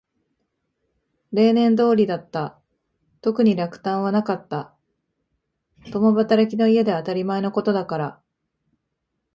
例年通りだった。特に落胆はなかった。共働きの家では当たり前のことだから。